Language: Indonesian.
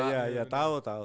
iya iya tau tau